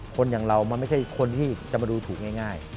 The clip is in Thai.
คนอย่างเรามันไม่ใช่คนที่จะมาดูถูกง่าย